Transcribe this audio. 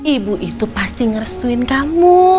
ibu itu pasti ngerestuin kamu